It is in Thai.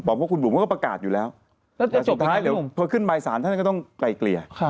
บอกว่าคุณบุ๋มเขาก็ประกาศอยู่แล้วแต่สุดท้ายเดี๋ยวพอขึ้นใบสารท่านก็ต้องไกลเกลี่ย